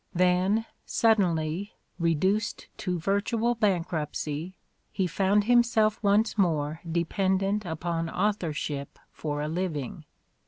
Then, suddenly, re duced to virtual bankruptcy, he found himself once more dependent upon authorship for a living.